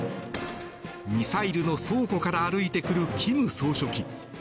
ミサイルの倉庫から歩いてくる金総書記。